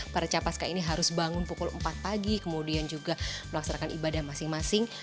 para capaska ini harus bangun pukul empat pagi kemudian juga melaksanakan ibadah masing masing